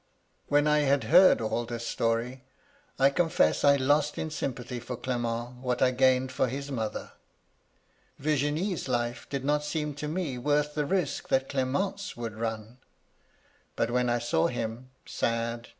" When I had heard all this story, I confess I lost in sympathy for Clement what I gained for his mother. Virginie's life did not seem to me worth the risk that Clement's would run. But when I saw him — sad, MY LADY LUDLOW.